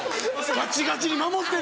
ガチガチに守ってる。